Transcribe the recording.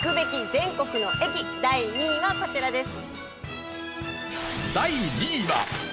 全国の駅第２位はこちらです。